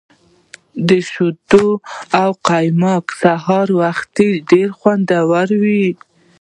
د شیدو قیماق سهار وختي ډیر خوندور وي.